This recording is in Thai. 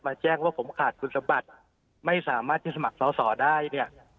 แจ้งว่าผมขาดคุณสมบัติไม่สามารถจะสมัครสอสอได้เนี่ย